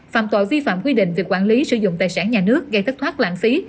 phạm tội vi phạm quy định về quản lý sử dụng tài sản nhà nước gây thất thoát lãng phí